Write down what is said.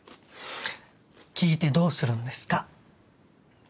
聞いてどうするんですか？